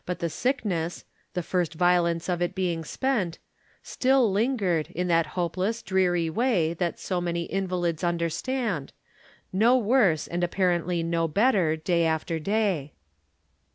But the sickness — the first violence of it being spent — stUl lin gered, in that hopeless, dreary way that so many invalids understand ; no worse, and apparently no better, day after day.